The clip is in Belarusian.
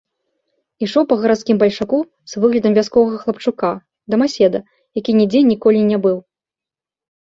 Ішоў па гарадскім бальшаку з выглядам вясковага хлапчука, дамаседа, які нідзе ніколі не быў.